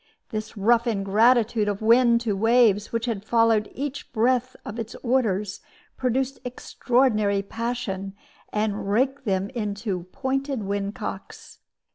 This rough ingratitude of wind to waves, which had followed each breath of its orders, produced extraordinary passion, and raked them into pointed wind cocks.